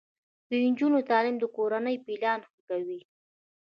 د نجونو تعلیم د کورنۍ پلان ښه کوي.